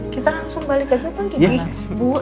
kita langsung balik aja kan jadi